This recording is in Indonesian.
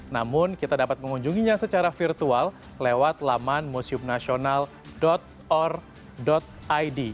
namun kita dapat mengunjunginya secara virtual lewat laman museumnasional org id